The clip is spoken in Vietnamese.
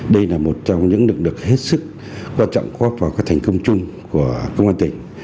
đây là một trong những lực lượng hết sức quan trọng khoác vào các thành công chung của công an tỉnh